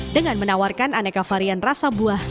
dengan menawarkan aneka varian rasa buah